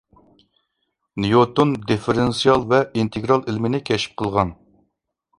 نيۇتون دىففېرېنسىئال ۋە ئىنتېگرال ئىلمىنى كەشىپ قىلغان